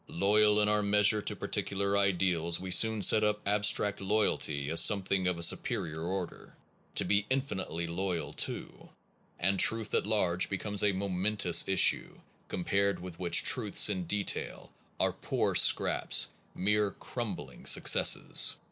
Loyal in our measure to particular ideals, we soon set up abstract loyalty as something of a superior order, to be infinitely loyal to; and truth at large becomes a momentous issue compared with which truths in detail are poor scraps, mere crumbling successes.